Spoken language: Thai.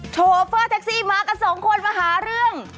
โชเฟอร์แท็กซี่มากันสองคนมาหาเรื่อง